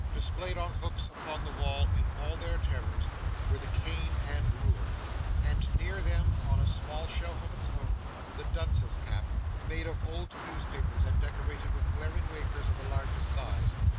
Displayed on hooks upon the wall in all their terrors, were the cane and ruler; and near them, on a small shelf of its own, the dunce's cap, made of old newspapers and decorated with glaring wafers of the largest size.